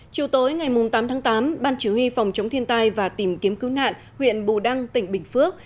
chiều tối ngày tám tháng tám ban chỉ huy phòng chống thiên tai và tìm kiếm cứu nạn huyện bù đăng tỉnh bình phước